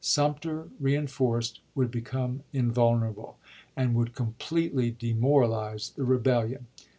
Sumter reen forced would become invulnerable, and would completely demoralize the rebellion.